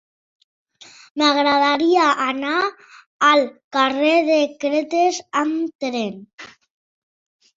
M'agradaria anar al carrer de Cretes amb tren.